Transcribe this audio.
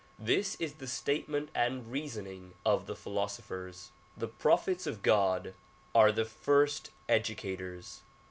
This is the statement and reasoning of the philosophers. The prophets of God are the first educators.